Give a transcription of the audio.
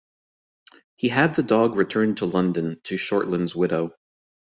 He had the dog returned to London to Shortland's widow.